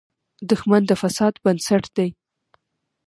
دښمن د فساد بنسټ دی